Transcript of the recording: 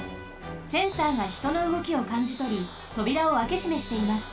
センサーがひとのうごきをかんじとりとびらをあけしめしています。